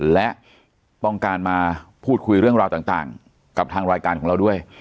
และต้องการมาพูดคุยเรื่องราวต่างกับทางรายการของเราด้วย